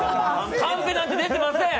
カンペなんか出てません。